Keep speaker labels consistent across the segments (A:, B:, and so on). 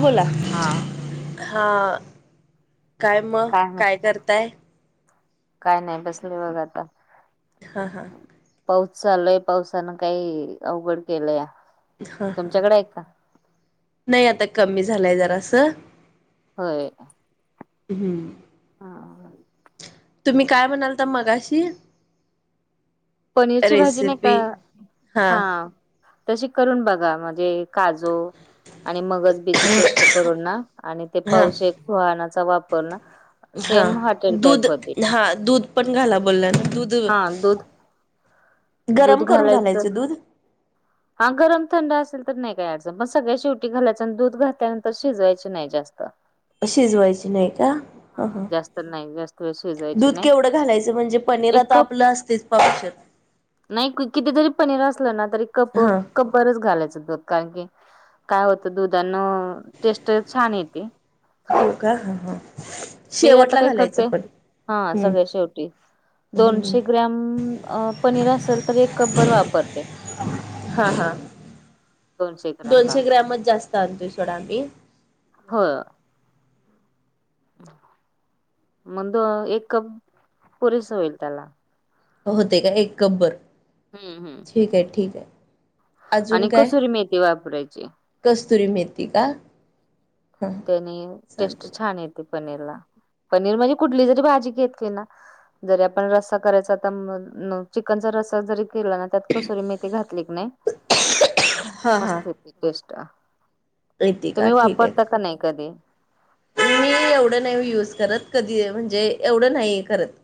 A: बोला.
B: आ!
A: हा काय मग काय करताय?
B: काय नाही बसले बघा आता.
A: हा हा!
B: पाऊस चालु हाय पावसानं काही अवघड केलंया.
A: हा, नाही आता कमी झालाय जरासं.
B: होय!
A: हम्म!
B: हा!
A: तुम्ही काय म्हणालता मगाशी?
B: पनीरची भाजी नाही का,
A: रेसिपी
B: हा तशी करून बघा म्हणजे काजू आणि मगज बी ची पेस्ट करून ना आणि ते
A: हा
B: पाऊच एक सुहाणाचा वापर ना
A: हा
B: सेम हॉटेल टाईप
A: दूध
B: होते
A: हा दूध पण घाला बोलल्या ना दूध
B: हा दूध
A: गरम करून घालायचं दूध?
B: हा गरम थंड असेल तर नाही काय अडचण पण सगळ्या शेवटी घालायचं आणि दूध घातल्यानंतर शिजवायची नाही जास्त.
A: शिजवायची नाही का? ह
B: हा
A: ह.
B: जास्त नाही ग.
A: दूध केवढं घालायचं म्हणजे पनीर
B: एक
A: आता
B: कप
A: आपल असतेच पावशेर?
B: नाही कितीजरी पनीर असलं ना तरी कप,
A: हा.
B: कप. बरंच घालायचं दूध कारण की काय होतं दुधानं टेस्ट छान येती.
A: हो का हा हा
B: मी आता
A: शेवटला
B: काय
A: घालायचं
B: करते,
A: पण
B: हा
A: हम्म
B: सगळ्या शेवटी. दोनशे ग्रॅम अ, पनीर असेल तर एक कप बर वापरते.
A: हां हां,
B: दोनशे ग्रॅम ला
A: दोनशे ग्रॅमच जास्त आणतोय सोडा आम्ही.
B: हो. मग दो -एक कप पुरेस होईल त्याला.
A: होतय का नाई कप बरं?
B: हम्म हम्म हम्म
A: अजून
B: आणि
A: काय
B: कसुरी मेथी वापरायची.
A: कस्तुरी मेथी का? हां
B: त्यानी टेस्ट
A: चालते
B: छान येते पनीरला, पनीर म्हणजे कुठली जरी भाजी घेतली ना जरी आपण रस्सा करायचा आता म चिकनचा रस्सा जरी केला ना त्यात कसुरी मेथी घातली कनाय
A: हां हां
B: मस्त येते टेस्ट.
A: येते का
B: तुम्ही
A: ठीक
B: वापरता का नाय कधी?
A: आहे मी एवढं नाही ओ युज करत कधी म्हणजे एवढं नाही करत.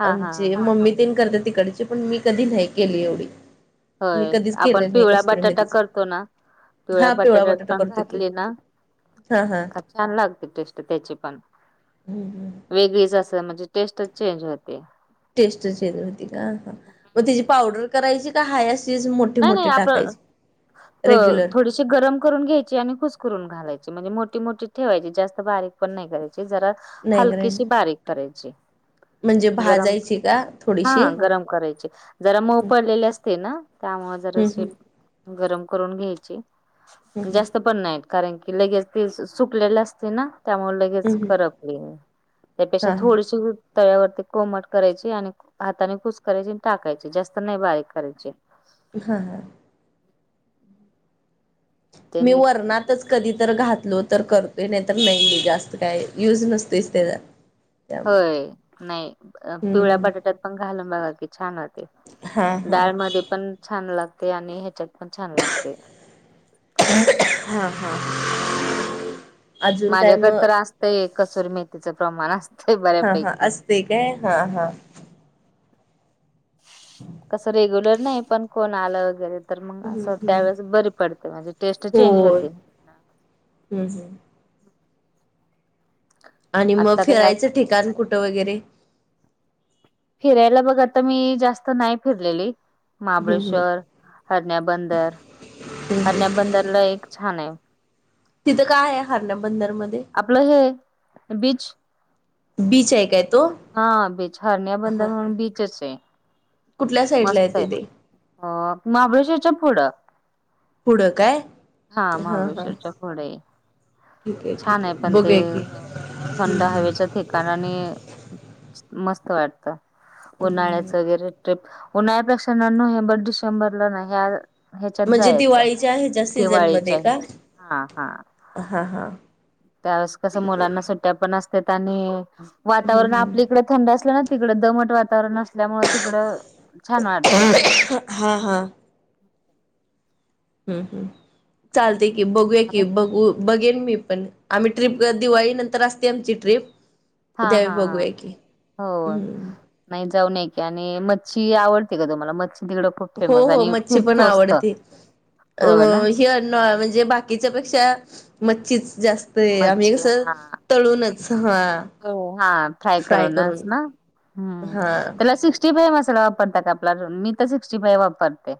B: हा हा हा
A: आमची मम्मी तेन करत्यात तिकडची पण मी कधी नाय केली एवढी. मी
B: होय
A: कधीच केल
B: आपण
A: नाय
B: पिवळा
A: कस्तुरी
B: बटाटा
A: मेथीचं.
B: करतो ना पिवळ्या
A: हा पिवळा
B: बटाट्यात
A: बटाटा
B: पण
A: करतोय की
B: घातली ना
A: हां हां.
B: का छान लागते टेस्ट त्यांची पण.
A: हम्म हम्म.
B: वेगळीच असं म्हणजे टेस्टच चेंज होतें.
A: टेस्टच वेगळी होती का, हां मग त्याची पावडर करायची का हाय असं शिच मोठे
B: नाही नाही
A: मोठे टाकायचे रेग्युलर.
B: अशी गरम करून घ्यायची आणि कुस्करुन घालायची म्हणजे मोठी मोठी ठेवायची जास्त बारीक पण नाही करायची. जरा
A: नाही
B: हलकीशी
A: करायची
B: बारीक करायची.
A: म्हणजे
B: गरम
A: भाजायची का थोडीशी?
B: हा गरम करायचें जरा मऊ
A: हम्म
B: पडलेले असते ना त्यामुळ
A: हम्म
B: जराशे गरम करून घ्यायची पण
A: हम्म
B: जास्तं पण नायत कारण की लगेच ते सुकलेले असते ना त्यामुळ लगेच
A: हम्म हम्म
B: करपली. त्यापेक्षा
A: हा हा
B: थोडीशी तव्यावरती कोमट करायची आणि हाताने कुस्करायची आणि टाकायची जास्त नाही बारीक करायची. [inaudible]
A: हां हां. मी
B: त्याने
A: वरणातच कधी तर घातलों तर करतोय नाय तर नाही मी जास्त काय युज नसतोयच तेजा.
B: होय, नाय पिवळ्या
A: हम्म
B: बटाट्यात पण घालून बघा की छान होतंय.
A: हा हा
B: डाळमध्ये पण छान लागतंय आणि ह्याच्यात पण छान लागतंय.
A: हां हां.
B: माझ्याकडं तर असतंय कस्तुरी मेथीचं प्रमाण अस
A: हां हां असतंय काय हां हां.
B: कसं रेग्युलर नाय पण कोण आलं गेलं तर मग
A: हम्म
B: असं
A: हम्म
B: त्यावेेळेस बरी पडते म्हणजे टेस्ट चेंज
A: होय
B: होतें.
A: हम्म हम्म. आणि मग
B: आता काय
A: फिरायचं ठिकाण कुठं वगैरे?
B: फिरायला बघ आता मी जास्त नाही फिरलेली
A: हम्म हम्म
B: महाबळेश्वर हरण्याबंदर
A: हम्म
B: हरण्या
A: हम्म
B: बंदरला एक छानायं.
A: तिथं काय हाय हरण्या बंदरमध्ये?
B: आपलं हे बीच.
A: बीच हाय कां तो?
B: हा बीच हरण्या बंदर म्हणून बीचंचय.
A: कुठल्या साइटला येत ते.
B: अ महाबळेश्वरच्या पुढ.
A: पुढं काय
B: हा महाबळेश्वरच्या पुढे.
A: ठीक
B: छान
A: ठीक
B: आहे पण ते
A: बघूया की
B: थंड हवेचे ठिकाण आणि मस्त वाटत. उन्हाळ्यात वगैरे ट्रिप उन्हाळ्यापेक्षा ना नोहेंबर डिसेंबरला ना ह्या ह्याच्यात
A: म्हणजे
B: जायच
A: दिवाळीच्या ह्याच्या सीझन मध्ये
B: दिवाळीच्या
A: का
B: हा हा
A: हा हा
B: त्यावेळेस कस
A: ठीक आहे
B: मुलांना सुट्ट्या पण असत्यात आणि
A: हम्म
B: वातावरण
A: हम्म
B: आपलीकडे थंड असल्या ना तिकड दमट वातावरण असल्यामुळ तिकड छान वाटत.
A: हा हा हम्म हम्म चालतय की बघूया की बघू बघेन मी पण आम्ही ट्रीप दिवाळी नंतर असते आमची ट्रीप.
B: हा
A: त्यावेळी
B: हा हा
A: बघूया की.
B: हो
A: हम्म
B: नाही जाऊन या की. आणि मच्छी आवडते का तुम्हाला? मच्छी तिकड
A: हो हो मच्छी पण आवडती. अ
B: हो ना
A: ही अन्न म्हणजे बाकी बाकीच्या पेक्षा मच्छीच जास्त आहे. आम्ही
B: मच्छी
A: कस
B: हा
A: तळूनच हा
B: हो हा फ्राय करूननच ना. हम्म
A: हा
B: त्याला सिक्स्टी फाईव मसाला वापरता का आपला तो. मी तर सिक्स्टीफाईव वापरते.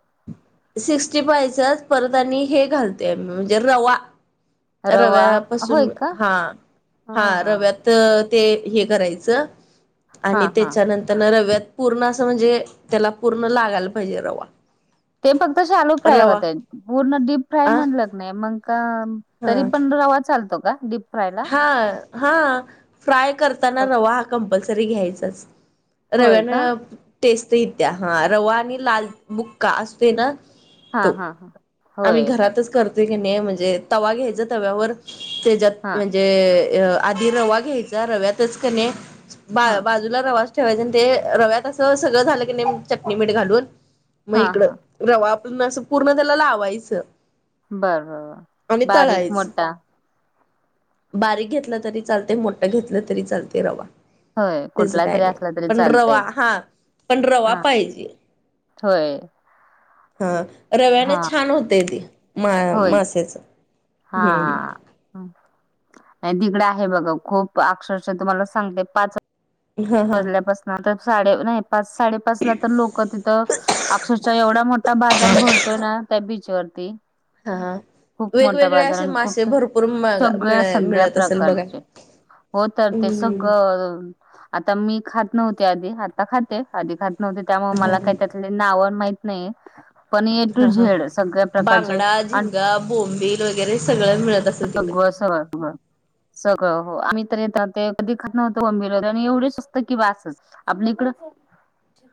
A: सिक्स्टी फायचच परत आणि हे घालते. म्हणजे रवा.
B: रवा
A: रव्यापासून
B: होय का
A: हा हा रव्यात तर ते हे करायच.
B: हा
A: आणि
B: हा
A: त्याच्यानंतर ना रव्यात पूर्ण अस म्हणजे त्याला पूर्ण लागायला पाहिजे रवा.
B: ते फक्त शालू फ्राय
A: रवा
B: होताय. पूर्ण डीप फ्राय
A: अ
B: म्हणल का नाही मग का
A: हा
B: तरी पण रवा चालतो का डीप फ्रायला.
A: हा हा फ्राय करताना
B: होय
A: रवा हा कंपल्सरी घ्यायचाच.
B: होय
A: रव्याने
B: का
A: टेस्ट इत्या. हा रवा आणि लाल
B: बर
A: बुक्का असतोय ना
B: हा
A: तो
B: हा
A: आम्ही
B: होय
A: घरातच करतोय की मे म्हणजे तवा
B: हा
A: घ्यायच तव्यावर त्याच्यात
B: हा
A: म्हणजे आधी रवा घ्यायचा रव्यातच की नाही बा
B: हा
A: बा
B: हा
A: बाजूला रवास ठेवायचा. आणि ते रव्यात अस सगळ झाल की नाही चटणी मीठ घालून मग
B: हा
A: इकड
B: हा
A: रवा आपण अस पूर्ण त्याला लावायच.
B: बर बर बारीक मोठा
A: बारीक घेतलं तरी चालते. मोठ घेतल तरी चालते रवा.
B: होय
A: त्याच
B: कुठला
A: काय
B: तरी
A: नाही.
B: असला तरी
A: पण रवा
B: चालतय
A: हा पण रवा
B: हा
A: पाहिजे.
B: होय.
A: ह रव्यान
B: हा
A: छान होतय ते मा
B: होय
A: मास्याच.
B: हा तिकड आहे बघा खूप अक्षरश तुम्हाला सांगते पाच
A: हा हा
B: वाजल्यापासन तर साडे नाही पाच साडे पाच ला तर लोक तिथ अक्षरच्या एवढा मोठा बाजार भरतोय ना त्या बीच बीच वरती.
A: हा हा
B: खूप मोठा
A: वेगवेगळे
B: बाजार
A: असे
B: आणि खूप
A: मासे भरपूर मिळ
B: सगळ्या सगळ्या
A: मिळत असेल बघा
B: प्रकारचे हो तर ते
A: हम्म
B: सगळ आता मी खात नव्हते आधी, आता खाते आधी खात नव्हते त्यामुळे मला काय त्यात नाव माहित नाही पण ए टू झेड सगळ्या प्रकारचेअन
A: अ भूमी वगैरे सगळं मिळत‌ अस
B: भगवा [unintelligible] सगळं हो, आम्ही तर येत ते कधी खत नव्हतं बंबीर आणि एवढे स्वस्त आहे की बास. आपल्या इकडं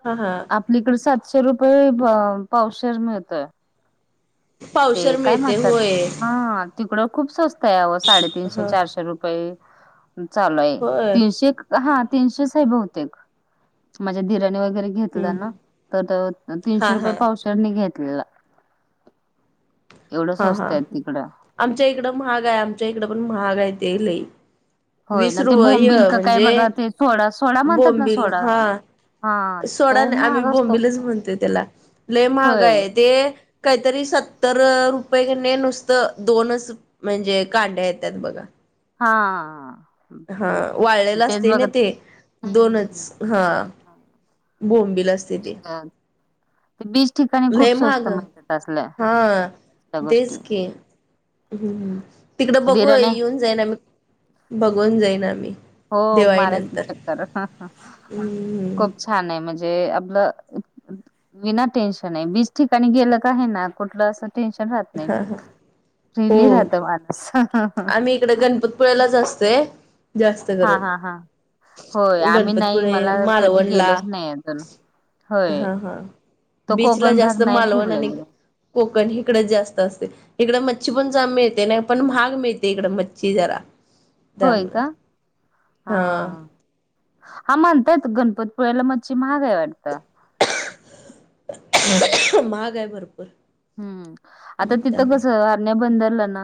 A: हा हा
B: आपलीकडे सातशे रुपये प- पावशेर मिळतोय. ते
A: पावशर
B: काय
A: मिळते
B: म्हणतात!
A: होय
B: हा तिकडं खूप स्वस्त आहे आव साडे तीनशे,
A: ह
B: चारशे रुपये. चालो आहे
A: होय
B: तीनशे हा तीनशे साहे बहुतेक माझ्या दिरानी वगैरे घेतलं
A: हम्म
B: ना तर
A: हा
B: त-तीनशे रुपये
A: हा
B: पावसाळनी घेतलेला. एवढं
A: हा
B: स्वस्त
A: हा
B: आहे तिकडं.
A: आमच्या इकडं महाग आहे, आमच्या इकडं पण महाग आहे ते लई.
B: होय ना
A: विसरू
B: ते
A: य
B: बोंबिल का काय
A: म्हणजे,
B: बघा ते सोडा सोडा म्हणतात ना
A: बोंबिल
B: सोडा
A: हा.
B: हा तो
A: सोडाने आम्ही
B: महाग असतो
A: बोंबीलच म्हणतोय त्याला. लय महागा
B: होय
A: आहे ते काहीतरी सत्तर रु पय नुसतं दोनच म्हणजे कांड्या येतात बघा.
B: हा.
A: हा
B: हम्म.
A: वाळलेलं
B: तेच
A: असते ना
B: बघत
A: ते
B: हम्म
A: दोनच
B: हम्म हम्म.
A: ह.
B: हा.
A: बोंबीला
B: तेच
A: असते ते.
B: ग- ते बीच ठिकाणी
A: लय
B: खूप स्वस्त
A: महाग
B: मिळतात असल्या
A: हा
B: त्या
A: तेच
B: गोष्टी
A: कि. हम्मम्, तिकडं बघू
B: दिराने
A: येऊन जाईन आम्ही बघून जाईन आम्ही.
B: हो
A: दिवाळी
B: मारायची
A: नंतर
B: चक्कर, हा हा आ
A: हम्म
B: ओके! छान आहे म्हणजे आपलं विना टेन्शन आहे, बीच ठिकाणी गेलं का आहे ना कुठलं असं टे्शन राहत नाही
A: हा हा
B: फ्रीली राहतो माणूस.
A: मी इकडे गणपतपुळेलाच असते जास्त
B: हा
A: करून.
B: हा हा होय आम्ही नाही
A: गणपतपुळे,
B: मला कधी
A: मालवणला.
B: गेलोच नाही अजून होय
A: हा हा,
B: तो
A: बीचला
B: कोकण
A: जास्त
B: भाग नाही
A: मालवण आणि
B: फिरलेलो
A: कोकण इकडच जास्त असते. इकड मच्छी पण जा मिळते नाही पण महाग मिळते इकडे मच्छी जरा‌
B: होय का? हा. हा म्हणतायेत गणपती पुळायाला मच्छी महागऐ वाटत.
A: महाग आहे भरपूर.
B: हम् आता तिथं कस
A: त्यामुळे
B: आरण्या बंद जाल्यना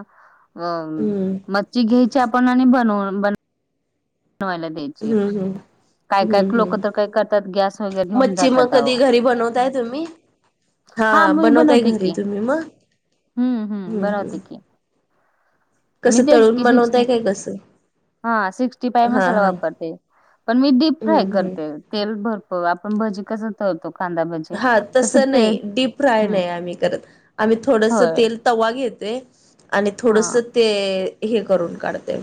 B: अ
A: हम्म
B: म तीघ्यायची आपण बनवून-ब तो आलग.
A: हम्म हम्! हम्म हम्म,
B: तर काय करतात गॅस वगैरे घेऊन
A: मच्छिम
B: जातात अहो.
A: कधी घरी बनवताय तुम्ही? हा
B: मी
A: बनवताय
B: बनवते
A: घरी
B: की
A: तुम्ही मग?
B: हम्म हम्म, बनवते. मी
A: कसं
B: तेच
A: तळून
B: की सिक्स्टी
A: बनवताय काय कसं?
B: हा सिक्स्टी फ्राय
A: हा
B: मसाला
A: हा
B: वापरते. पण मी डीप
A: हम्म
B: फ्राय
A: हम्म
B: करते. तेल भरपुर आपण भजी क हो, तो कांदा ब
A: हा, तस नाही डीप फ्राय नाही आम्ही करत, आम्ही थोडंस
B: होय
A: तेल तवा घेतोय, आणि
B: हा
A: थोडस ते हे करून काढतोय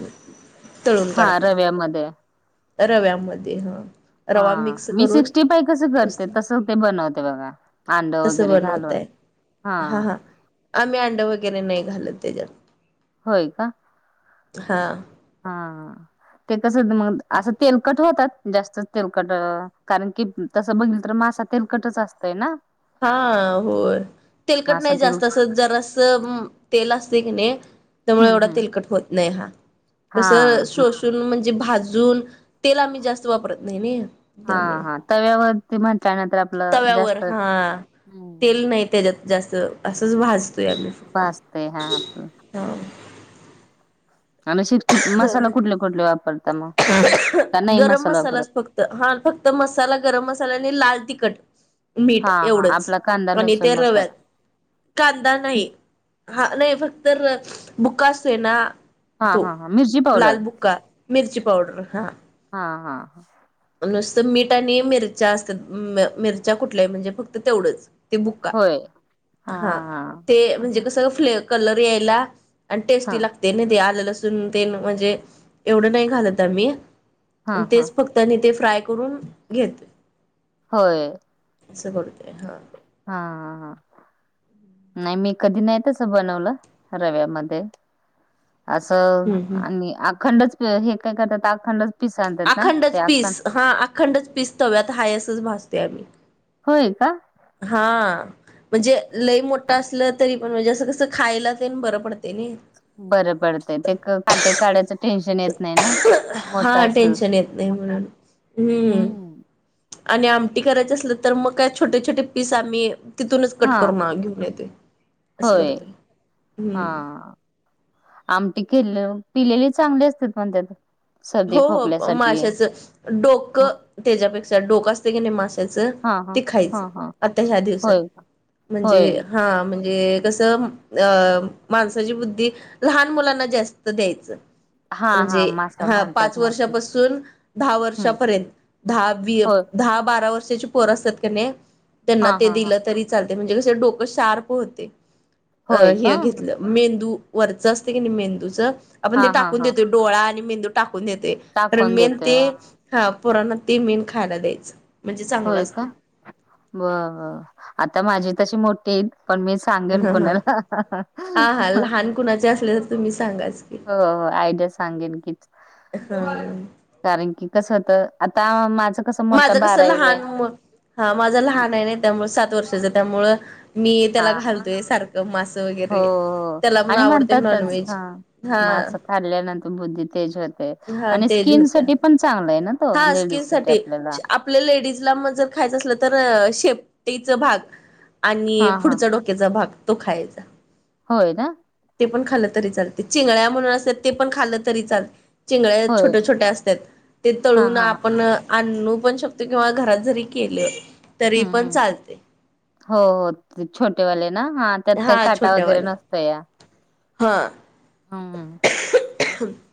B: हा, रव्यामध्ये
A: रव्यामध्ये, हा.
B: हा,
A: रवा मिक्स
B: मी
A: करून
B: सिक्स्टी फाय कस करत्यात,
A: मस्त
B: तसं ते बनवते बघा. अंड
A: तसं
B: वगैरे घालून,
A: बनवताय
B: हा.
A: आम्ही अंड वगैरे नाही घालत त्याच्यात.
B: होय का?
A: हां.
B: हा, ते कस होत मग, असं तेलकट होतात. जास्तच तेलकट, कारण कि, तसं बघितलं तर मासा तेलकटच असतय ना.
A: हा, होय. तेलकट
B: मासा
A: नाही
B: तेल
A: जास्त, असं जरा अस तेल असते की नाही त्यामुळे
B: हम्म
A: एवढा
B: हम्म
A: तिलकट होत नाही हा.
B: हा.
A: तस शोषून, म्हणजे भाजून, तेल आम्ही जास्त वापरत नाही नई.
B: हा हा, तव्यावरती म्हटल्यानंतर आपलं
A: तव्यावर
B: जास्त
A: हा, तेल नाही त्याच्यात जास्त, असंच भाजत या म फक्त,
B: भाजतय हा आपलं
A: हा.
B: आणि श का नाही
A: गरम
B: मसाला वापरत
A: मसालाच फक्त हा, फक्त मसाला, गरम मसाला, आणि लाल तिखट मीठ
B: हा हा
A: एवढंच,
B: आपला कांदा
A: आणि
B: लसूण
A: त्या रव्यात
B: मसाला
A: कांदा नाही, हा नाही, फक्त बुका असतोय ना-
B: हा
A: तो
B: हा. हा मिरची
A: लाल
B: पावडर
A: बुक्का, मिर्ची पावडर, हा.
B: हा हा.
A: नुसतं मीठ आणि मिरच्या असतात, मिरच्या कुठल्या म्हणजे फक्त तेवढंच बुक्का,
B: होय
A: हा. ते
B: हा
A: म्हणजे कस ले कलर यायला, आणि
B: हा
A: टेस्टी लाग ते नाही ते आलेलं असून तेन, म्हणजे एवढं नाही घालत आम्ही,
B: हा हा
A: तेच फक्त त्यांनी ते फ्राय करून घेत
B: होय.
A: असं करतोय, हा.
B: हा हा हा. नाही मी, कधी नाही तस बनवलं, रव्यामध्ये. असं,
A: हम्म
B: आणि अखंडच हे काय करतात, अखंडच पिस आणतात ना ते
A: अखंडच पीस,
B: अखंड
A: हा, अखंडच पीस, तव्यात हाय असच भासतोय आम्ही.
B: होय का?
A: हा, म्हणजे लय मोठा असलं तरी पण, म्हणजे असं कस खायला तेण बरं पडतय नाही.
B: बर पडतंय, ते ते काटे काढा
A: हा,
B: असल
A: टेन्शन येत नाही, हम्म.
B: हम्म
A: आणि आमटी करायच असलं तर मग, काय छोटे छोटे पीस आम्ही तिथूनच
B: हा
A: कटकरून घेऊन येतोय. असं
B: होय,
A: करतोय हम्म
B: हा. आमटी केलो. पिलेले चांगले असतात म्हणत्यात.
A: हो हो माशाच डोक
B: हा
A: त्याच्यापेक्षा डोक असते की नाही मा त्याच,
B: हा
A: ते
B: हा
A: खायचं
B: हा
A: आता ह्या दिवसात
B: होय
A: म्हणजे
B: होय
A: हा म्हणजे तसं अ माणसाची बुद्धी लहान मुलांना जास्त द्यायचं.
B: हा
A: म्हणजे
B: हा मास
A: हा पाच वर्षापासून दहा
B: हम्म
A: वर्षापर्यंत द
B: होय
A: दहा बारा वर्ष पोर असत्यात कणी
B: हा
A: त्यांना ते
B: हा हा
A: दिलं तरी चालतंय. म्हणजे कस डोकं शार्प होते अ
B: होय का
A: हे घेतलं मेंदू वरचं असते की नाही मेंदूचं आपण
B: हा
A: ते
B: हा
A: टाकून
B: हा
A: देते डोळा आणि मेंदू टाकून देतोय अ
B: टाकून
A: मेन
B: देतोय
A: ते
B: हा
A: हा पुराण ते मेन खायला द्यायचं. म्हणजे चांगलं
B: होय का.
A: असते
B: बरर आता माझी तशी मोठी आहेत पण सांगेन
A: ह ह
B: कोणाला.
A: हा हा लहान कुणाचे असले तर तुम्ही सांगाच की
B: हो आयडस सांगेन तिचं.
A: हा.
B: कारण की कसं होत, आता माझं कसं मोठं
A: माझं कसं
B: बारावीला
A: लहान
B: आहे
A: मु हा माझं लहान आहे नाही त्यामुळं सात वर्षाचं त्यामुळ. मी
B: हा
A: त्याला
B: मग
A: घालतोय सारखं मास
B: हो
A: वगैरे.
B: हो
A: त्याला पण आवडतय नॉनव्हेज. हा
B: मासं खाल्ल्यानंतर बुद्धी तेज होते,
A: हा
B: आणि
A: तेज
B: स्किन
A: होत्या
B: साठी पण चांगल आहे ना. तो
A: हा स्किन
B: लेडीज
A: साठी
B: आपल्याला
A: आप आपल्या लेडीजला मग जर खायचं असलं तर शेपटीच भाग आणि
B: हा हा
A: पुढच डोक क्याचा भाग तो खायचा.
B: होय ना.
A: ते पण खाल्ल तरी चालतय. चिंगळ्या म्हणून असतात ते पण खाल्ल तरी चालत. चिंगळ्या
B: होय.
A: छोट्या छोट्या असत्यात ते
B: हां,
A: तळून
B: हां.
A: आपण आणू पण शकतोय किंवा घरात जरी केलं तरी
B: हं,
A: पण
B: हं.
A: चालतय.
B: हो हो छोटेवाले ना ह. त्यात काही
A: हा
B: काटा वगैरे
A: छोट्यावाल्या
B: नसत या.
A: हा
B: हम्.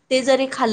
A: ते जरी खाल्ल